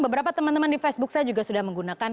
beberapa teman teman di facebook saya juga sudah menggunakan